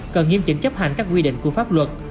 cần nghiêm chỉnh chấp hành các quy định của pháp luật